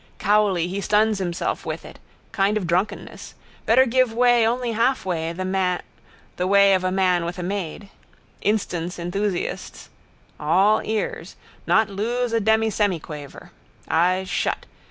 Cowley, he stuns himself with it: kind of drunkenness. Better give way only half way the way of a man with a maid. Instance enthusiasts. All ears. Not lose a demisemiquaver. Eyes shut.